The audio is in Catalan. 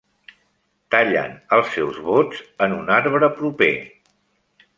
Tallen els seus vots en un arbre proper.